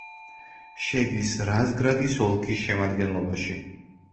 შედის რაზგრადის ოლქის შემადგენლობაში.